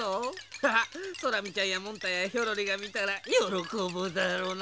ハハッソラミちゃんやモンタやヒョロリがみたらよろこぶだろうな。